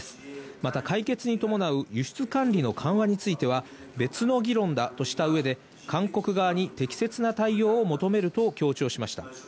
また解決に伴う輸出管理の緩和については別の議論だとした上で、韓国側に適切な対応を求めると強調しました。